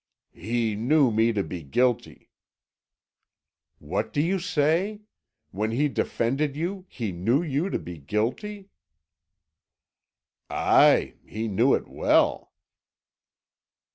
"He knew me to be guilty." "What do you say? When he defended you, he knew you to be guilty?" "Aye, he knew it well."